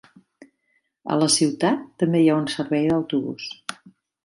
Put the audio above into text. A la ciutat també hi ha un servei d'autobús.